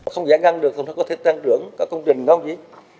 không giả ngăn được không có thể tăng trưởng có công trình không gì